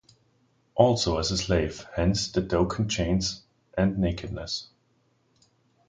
Also as a slave, hence the token chains and nakednes.